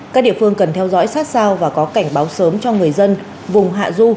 các địa phương cần theo dõi sát sao và có cảnh báo sớm cho người dân vùng hạ du